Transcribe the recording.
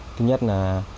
thứ nhất là